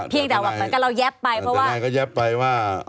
จะเรายับไปเพราะว่านังสัญญาก็แย๊บไปว่า